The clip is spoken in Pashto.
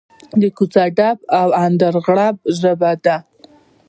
د کوڅه ډب او اندرغړب ژبه ده.